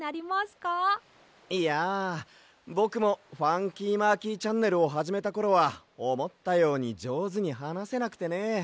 いやぼくも「ファンキーマーキーチャンネル」をはじめたころはおもったようにじょうずにはなせなくてね。